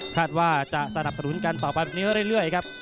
คาดว่าจะสนับสนุนกันต่อไปแบบนี้เรื่อยครับ